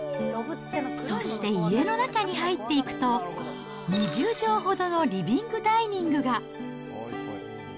そして、家の中に入っていくと、２０畳ほどのリビングダイニングが。